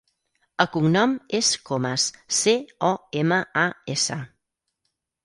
El cognom és Comas: ce, o, ema, a, essa.